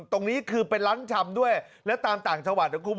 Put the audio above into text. ตรงนี้คือเป็นรั้นจำด้วยและตามต่างชาวัด